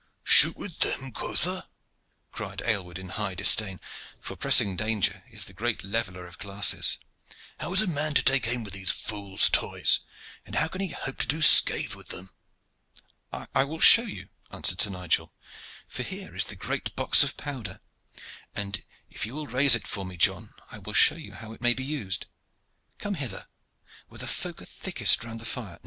"Shoot with them, quotha?" cried Aylward in high disdain, for pressing danger is the great leveller of classes. "How is a man to take aim with these fool's toys, and how can he hope to do scath with them?" "I will show you," answered Sir Nigel; "for here is the great box of powder, and if you will raise it for me, John, I will show you how it may be used. Come hither, where the folk are thickest round the fire.